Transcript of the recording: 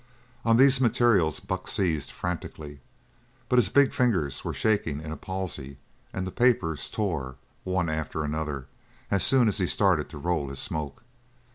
On these materials Buck seized frantically, but his big fingers were shaking in a palsy, and the papers tore, one after another, as soon as he started to roll his smoke.